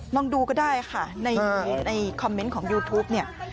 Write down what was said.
ลองดูก็ได้ค่ะในคอมเมนต์ของยูทูปเนี่ย